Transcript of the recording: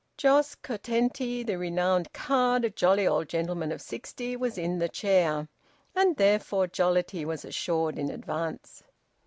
Jos Curtenty, the renowned card, a jolly old gentleman of sixty, was in the chair, and therefore jollity was assured in advance.